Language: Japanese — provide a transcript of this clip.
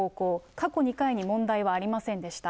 過去２回に問題はありませんでした。